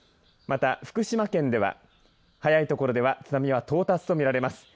また、福島県では早いところでは津波が到達と見れます。